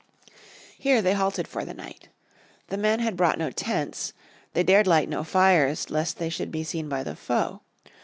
Here they halted for the night. The men had brought no tents, they dared light no fires lest they should be seen by the foe.